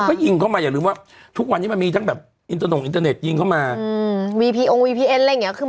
มันก็ยิงเข้ามาอย่าลืมว่าทุกวันนี้มันมีทั้งแบบอินเตอร์หนุ่มอินเตอร์เน็ตยิงเข้ามา